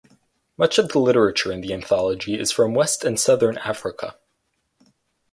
Much of the literature in the anthology is from West and Southern Africa.